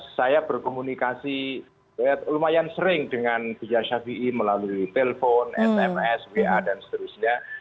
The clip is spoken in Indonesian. saya berkomunikasi lumayan sering dengan buya syafiee melalui telepon sms wa dan seterusnya